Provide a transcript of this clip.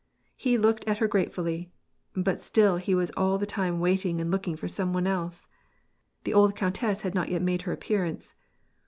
He looked at her grate fully, but still he was all the time waiting and looking for some one else. The old countess had not yet made her appear ance.